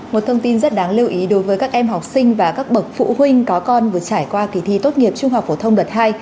một thông tin rất đáng lưu ý đối với các em học sinh và các bậc phụ huynh có con vừa trải qua kỳ thi tốt nghiệp trung học phổ thông đợt hai